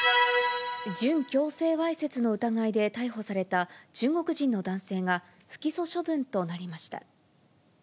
準強制わいせつの疑いで逮捕された中国人の男性が不起訴処分となりました。